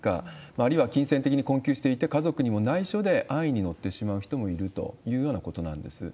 あるいは、金銭的に困窮していて、家族にも内緒で、安易に乗ってしまう人もいるというようなことなんです。